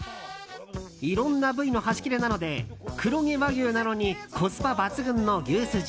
いろんな部分の端切れなので黒毛和牛なのにコスパ抜群の牛すじ。